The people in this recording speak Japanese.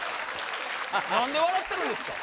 何で笑ってるんですか？